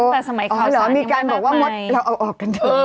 แต่สมัยข่าวสารยังว่าไม่มีการบอกว่ามดเราเอาออกกันเถอะ